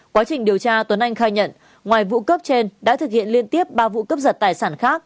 quá trình điều tra tuấn anh khai nhận ngoài vụ cướp trên đã thực hiện liên tiếp ba vụ cướp giật tài sản khác